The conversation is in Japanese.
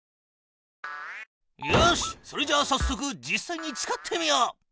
よしっそれじゃあさっそく実さいに使ってみよう。